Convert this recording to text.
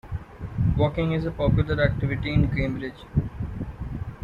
Walking is a popular activity in Cambridge.